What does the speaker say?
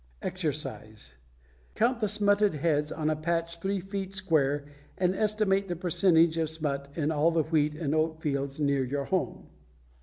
=EXERCISE= Count the smutted heads on a patch three feet square and estimate the percentage of smut in all the wheat and oat fields near your home.